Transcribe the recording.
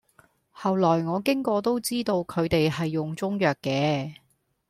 後來我經過都知道佢哋係用中藥嘅，